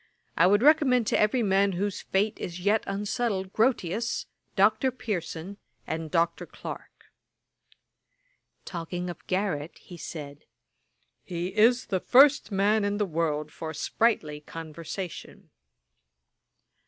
I would recommend to every man whose faith is yet unsettled, Grotius, Dr. Pearson, and Dr. Clarke.' Talking of Garrick, he said, 'He is the first man in the world for sprightly conversation.'